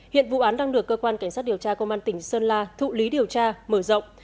hiện vụ án đang được cơ quan cảnh sát điều tra công an tỉnh sơn la thụ lý điều tra mở rộng